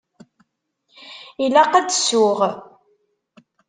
Ilaq ad d-ssuɣ.